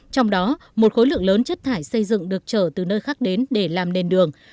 trong đó một khối lượng lớn chất thải xây dựng được trở từ nơi khác đến để làm nền đường